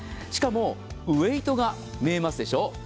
しかもウェイトが見えますでしょう？